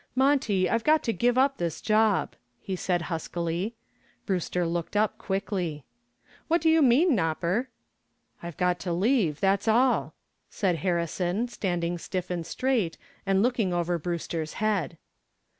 "Monty, I've got to give up this job," he said, huskily. Brewster looked up quickly. "What do you mean, Nopper?" "I've got to leave, that's all," said Harrison, standing stiff and straight and looking over Brewster's head.